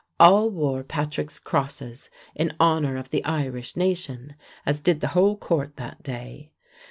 All wore Patrick's crosses in honor of the Irish nation, as did the whole court that day.